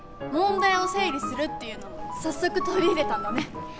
問題を整理するっていうのも早速取り入れたんだね。